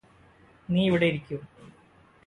നീ ഇവിടെ ഇരിക്കൂ